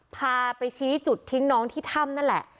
พาไปชี้จุดทิ้งน้องที่ถ้ำนั่นแหละ